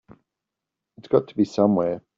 It's got to be somewhere.